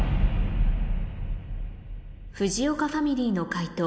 藤岡ファミリーの解答